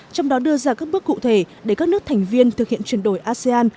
trong đó đưa ra các bước cụ thể để các nước thành viên thực hiện chuyển đổi asean